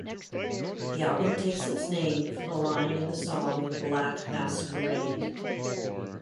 The album takes its name from a line in the song "Black Masquerade".